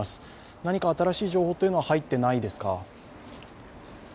何か新しい情報というのは入っていないですか？